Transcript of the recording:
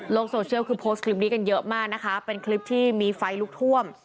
โซเชียลคือโพสต์คลิปนี้กันเยอะมากนะคะเป็นคลิปที่มีไฟลุกท่วม